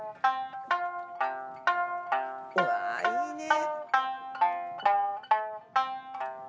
うわぁいいね。